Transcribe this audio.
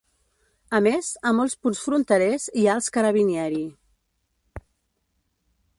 A més, a molts punts fronterers hi ha els "carabinieri".